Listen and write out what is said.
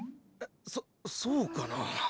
そっそうかなあ。